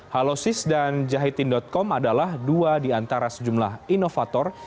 halosis dan jahitin com adalah dua di antara sejumlah inovator